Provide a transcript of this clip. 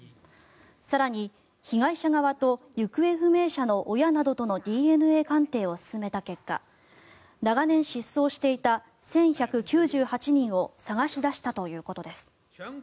更に被害者側と行方不明者の親などとのＤＮＡ鑑定を進めた結果長年失踪していた１１９８人を捜し出したということです。